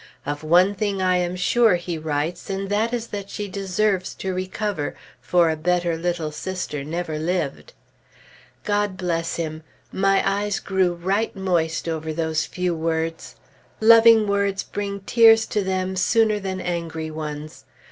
"Of one thing I am sure," he writes, "and that is that she deserves to recover; for a better little sister never lived." God bless him! My eyes grew right moist over those few words. Loving words bring tears to them sooner than angry ones.